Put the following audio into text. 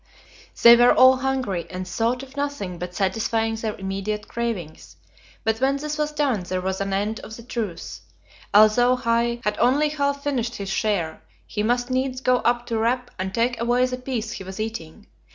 They were all hungry, and thought of nothing but satisfying their immediate cravings; but when this was done there was an end of the truce. Although Hai had only half finished his share, he must needs go up to Rap and take away the piece he was eating.